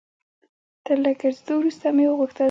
تر لږ ګرځېدو وروسته مې وغوښتل.